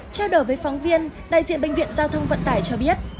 trao đổi với phóng viên đại diện bệnh viện giao thông vận tải cho biết